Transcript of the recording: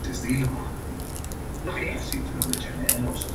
La Familia Real residió principalmente en Saint-Cloud durante el verano.